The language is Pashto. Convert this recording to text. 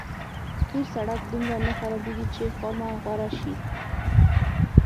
قیر سړک دومره نه خرابېږي چې خامه غوره شي.